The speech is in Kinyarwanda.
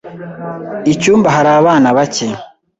Icyumba hari abana bake.